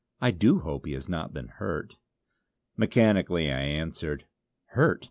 I do hope he has not been hurt." Mechanically I answered: "Hurt!